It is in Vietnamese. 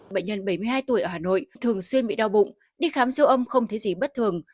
bệnh nhân bảy mươi hai tuổi ở hà nội thường xuyên bị đau bụng đi khám siêu âm không thấy gì bất thường